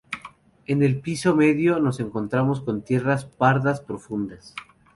En el piso medio nos encontramos con tierras pardas profundas.